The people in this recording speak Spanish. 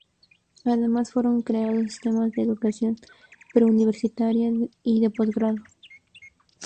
Además fueron creados sistemas de educación preuniversitaria y de posgrado.